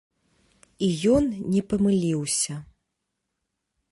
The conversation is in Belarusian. І ён не памыліўся.